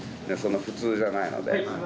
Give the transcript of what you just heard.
そんな普通じゃないので。